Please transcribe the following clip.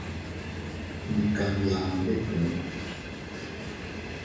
Ndi kabia ndetuu.